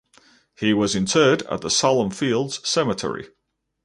He was interred at the Salem Fields Cemetery.